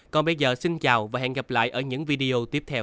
còn bây giờ xin chào và hẹn gặp lại ở những video tiếp theo